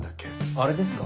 あれですか？